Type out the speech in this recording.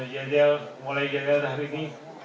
jadial mulai jadial hari ini